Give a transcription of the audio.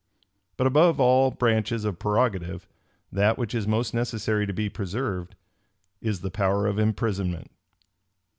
But above all branches of prerogative, that which is most necessary to be preserved, is the power of imprisonment.